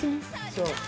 そう。